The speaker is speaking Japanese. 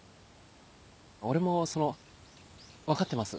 俺もその分かってます。